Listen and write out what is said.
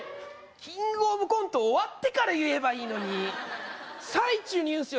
キングオブコント終わってから言えばいいのに最中に言うんですよ